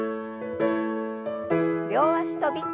両脚跳び。